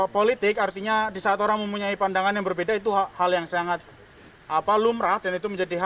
politik artinya disaat orang mempunyai pandangan yang berbeda itu hal yang sangat apa lumrah dan